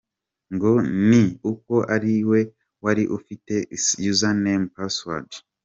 Ngo ni uko ariwe wari ufite Username na Password.